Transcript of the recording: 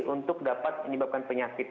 untuk dapat menyebabkan penyakit